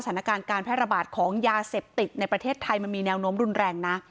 สถานการณ์การแพร่ระบาดของยาเสพติดในประเทศไทยมันมีแนวโน้มรุนแรงนะ